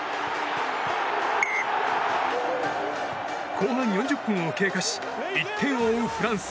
後半４０分を経過し１点を追うフランス。